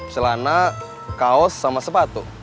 celana kaos sama sepatu